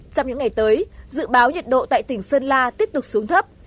trong những ngày tới dự báo nhiệt độ tại tỉnh sơn la tiếp tục xuống thấp